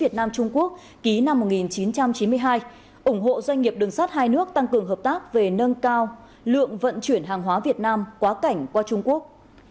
trung quốc khuyến khích các doanh nghiệp hai nước tăng cường hợp tác về nâng cao lượng vận chuyển hàng hóa việt nam quá cảnh qua trung quốc